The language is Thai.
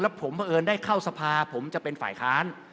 ผมเพราะเอิญได้เข้าสภาผมจะเป็นฝ่ายค้าน